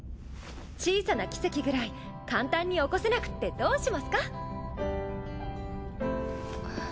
小さな奇跡くらい簡単に起こせなくってどうしますか。